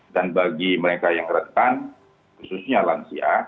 dan bagi mereka yang retan khususnya lansia